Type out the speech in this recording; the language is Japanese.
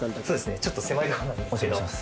ちょっと狭いかもお邪魔します